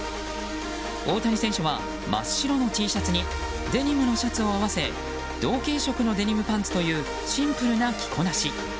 大谷選手は、真っ白のＴシャツにデニムのシャツを合わせ同系色のデニムパンツというシンプルな着こなし。